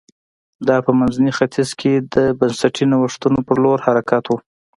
دا په منځني ختیځ کې د بنسټي نوښتونو په لور حرکت و